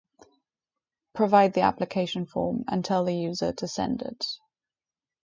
Provide the application form, and tell the user to send it.